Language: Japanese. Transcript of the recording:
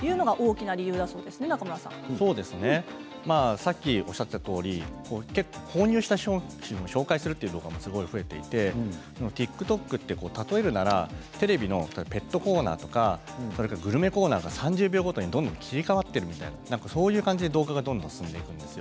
さっきおっしゃったとおり購入した商品を紹介する動画がすごい増えていてＴｉｋＴｏｋって例えるならテレビのペットコーナーとかグルメコーナーが３０秒ごとにどんどん切り替わっているみたいなそういう動画がどんどん進んでいくんですよ